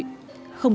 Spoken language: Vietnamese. không kém thương